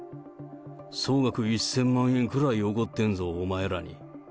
総額１０００万円くらいおごってんぞ、お前らに。